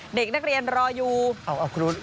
เด็กนักเรียนรออยู่